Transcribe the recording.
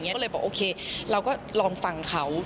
ก็เลยบอกโอเคเราก็ลองฟังเขา